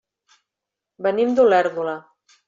Venim d'Olèrdola.